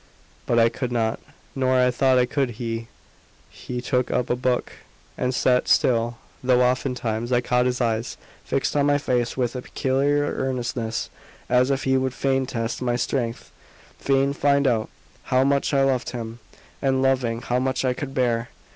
But I could not; nor, I thought, could he. He took up a book and sat still; though often times I caught his eyes fixed on my face with a peculiar earnestness, as if he would fain test my strength fain find out how much I loved him; and loving, how much I could bear.